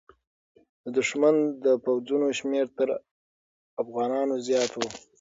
د دښمن د پوځونو شمېر تر افغانانو زیات و.